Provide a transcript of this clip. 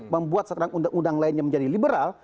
membuat satu undang undang lainnya menjadi liberal